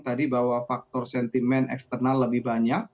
tadi bahwa faktor sentimen eksternal lebih banyak